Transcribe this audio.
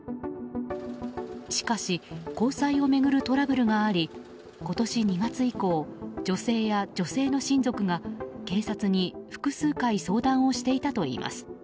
しかし、交際を巡るトラブルがあり、今年２月以降女性や、女性の親族が警察に複数回相談していたといいます。